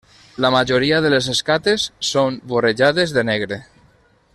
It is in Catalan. La majoria de les escates són vorejades de negre.